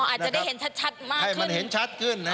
อ๋ออาจจะได้เห็นชัดมากขึ้น